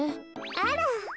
あら。